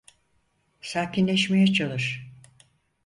Sakinleşmeye çalış.